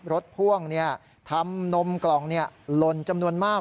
พ่วงทำนมกล่องลนจำนวนมาก